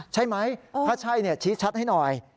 ใช่ไหมถ้าใช่ชี้ชัดให้หน่อย